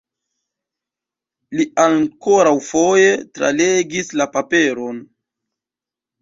Li ankoraŭfoje tralegis la paperon.